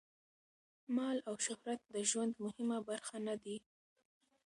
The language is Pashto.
مال او شهرت د ژوند مهمه برخه نه دي.